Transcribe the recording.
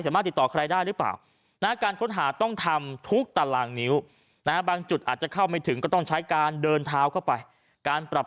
ถามที่ครามแม่งยามในการค้นหามากขึ้นครับ